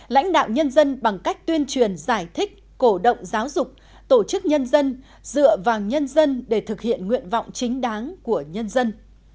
lãnh đạo nhân dân bằng cách tuyên truyền giải thích cổ động giáo dục tổ chức nhân dân dựa vào nhân dân để thực hiện nguyện vọng chính đáng của nhân dân